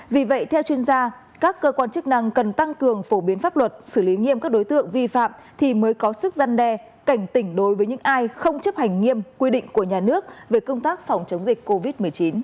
vì vậy theo chuyên gia các cơ quan chức năng cần tăng cường phổ biến pháp luật xử lý nghiêm các đối tượng vi phạm thì mới có sức gian đe cảnh tỉnh đối với những ai không chấp hành nghiêm quy định của nhà nước về công tác phòng chống dịch covid một mươi chín